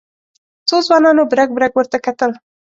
څو ځوانانو برګ برګ ورته کتل.